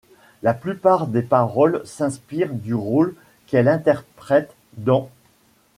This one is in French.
La plupart des paroles s'inspirent du rôle qu'elle interprète dans '.